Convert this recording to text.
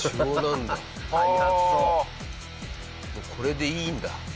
これでいいんだ。